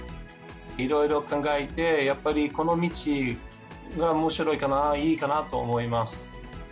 いろいろ考えて、やっぱりこの道がおもしろいかな、いいかなと思います。